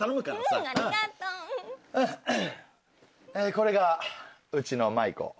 これがうちのマイコ。